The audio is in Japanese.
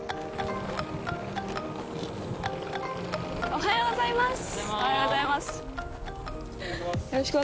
おはようございます。